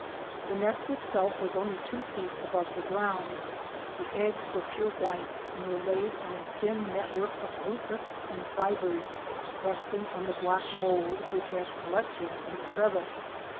The nest itself was only two feet above the ground. The eggs were pure white and were laid ona thin net work of rootlets and fibres resting on the black mould which had collected in the crevice.